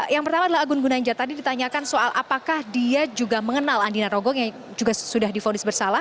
yang pertama adalah agun gunanjar tadi ditanyakan soal apakah dia juga mengenal andina rogong yang juga sudah difonis bersalah